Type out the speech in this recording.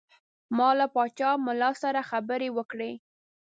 ما له پاچا ملا سره هم خبرې وکړې.